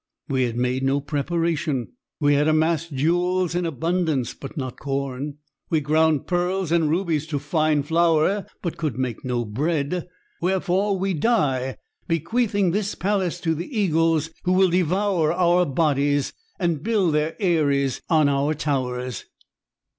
We had made no preparation. We had amassed jewels in abundance but not Corn. We ground Pearls and Rubies to fine flour, but could make no Bread. Wherefore we die, bequeathing this Palace to the eagles who will devour our bodies and build their eyries on our towers."